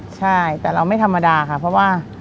ใช่แต่เราไม่ธรรมดาค่ะเพราะว่า